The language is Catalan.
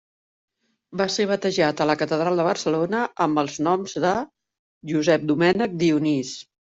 Va ser batejat a la Catedral de Barcelona amb els noms de Josep Domènec Dionís.